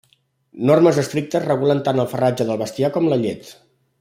Normes estrictes regulen tant el farratge del bestiar com la llet.